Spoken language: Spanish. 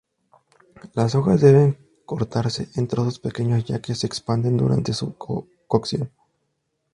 Las hojas deben cortarse en trozos pequeños ya que se expanden durante su cocción.